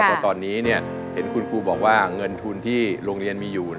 เพราะตอนนี้เห็นคุณครูบอกว่าเงินทุนที่โรงเรียนมีอยู่